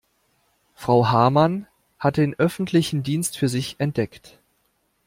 Frau Hamann hat den öffentlichen Dienst für sich entdeckt.